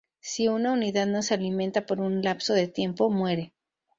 Si una unidad no se alimenta por una lapso de tiempo, muere.